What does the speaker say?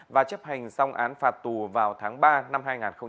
và chấp hành xong án phạt tù vào tháng ba năm hai nghìn hai mươi